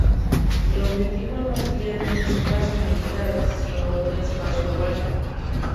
El objetivo no es crear un espacio militar, sino un espacio urbano.